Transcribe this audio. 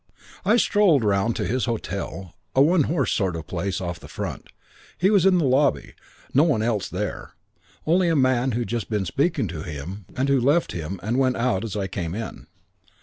"I strolled round to his hotel, a one horse sort of place off the front. He was in the lobby. No one else there. Only a man who'd just been speaking to him and who left him and went out as I came in.